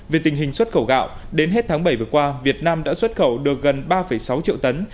về tình hình xuất khẩu gạo đến hết tháng bảy vừa qua việt nam đã xuất khẩu được gần ba sáu triệu tấn